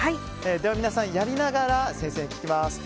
では皆さん、やりながら先生に聞きます。